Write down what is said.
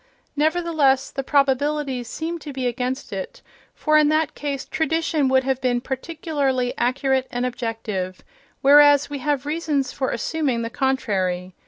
Nevertheless, the probabilities seem to be against it, for in that case tradition would have been particularly accurate and objective, whereas we have reasons for assuming the contrary.